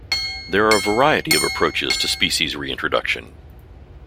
There are a variety of approaches to species reintroduction.